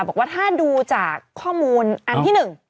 บอกว่าถ้าดูจากข้อมูลอันที่๑